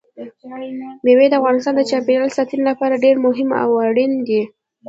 مېوې د افغانستان د چاپیریال ساتنې لپاره ډېر مهم او اړین دي.